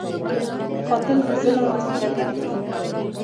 قاتل د ظلم وسیله ګرځي